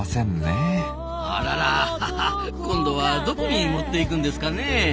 あらら今度はどこに持っていくんですかねえ？